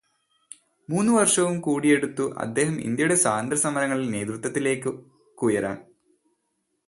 മൂന്നു വർഷവും കൂടിയെടുത്തു അദ്ദേഹം ഇന്ത്യയുടെ സ്വാതന്ത്ര്യസമരങ്ങളിൽ നേതൃത്വത്തിലേയ്ക്ക് ഉയരാൻ.